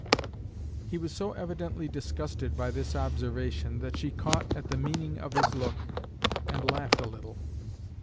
He was so evidently disgusted by this observation, that she caught at the meaning of his look, and laughed a little.